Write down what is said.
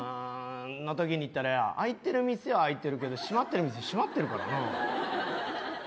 そのときに行ったら開いてる店は開いてるけど閉まってる店は閉まってるからな。